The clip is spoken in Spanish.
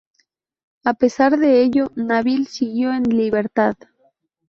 A pesar de ello, Nabil siguió en libertad.